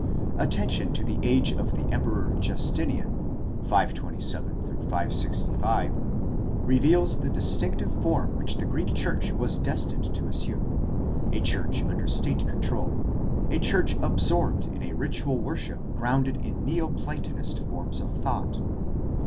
— Attention to the age of the emperor Justinian (527 65) reveals the distinctive form which the Greek church was destined to assume, a church under state control, a church absorbed in a ritual worship grounded in neo Platonist forms of thought.